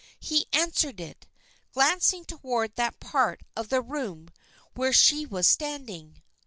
He answered it, glancing toward that part of the room where she was standing.